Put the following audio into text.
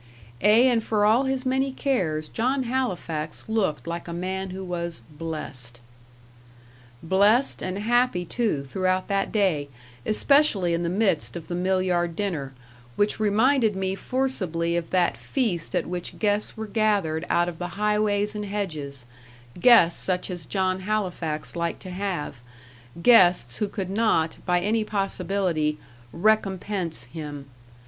Ay, and for all his many cares, John Halifax looked like a man who was "blessed." Blessed, and happy too, throughout that day, especially in the midst of the mill yard dinner which reminded me forcibly of that feast at which guests were gathered out of the highways and hedges guests such as John Halifax liked to have guests who could not, by any possibility, "recompense"' him.